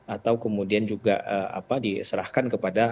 atau kemudian juga diserahkan kepada